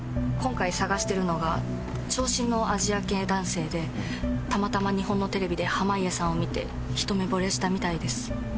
今回探してるのが長身のアジア系男性でたまたま日本のテレビで濱家さんを見てひと目ぼれしたみたいです。